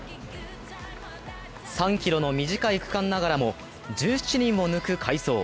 ３ｋｍの短い区間ながらも、１７人も抜く快走。